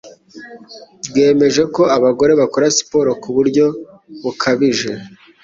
bwemeje ko abagore bakora siporo ku buryo bukabije